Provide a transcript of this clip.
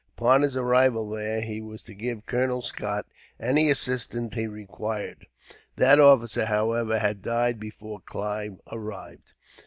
Upon his arrival there, he was to give Colonel Scott any assistance he required. That officer, however, had died before Clive arrived.